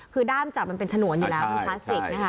คือด้ามจับไปเป็นฉนวนอยู่แล้วปลาสติก